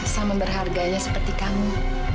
sama berharganya seperti kamu